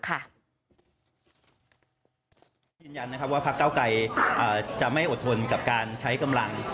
ยืนยันนะครับว่าพักเก้าไกรจะไม่อดทนกับการใช้กำลัง